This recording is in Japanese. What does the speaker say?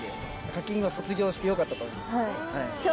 課金を卒業してよかったと思います。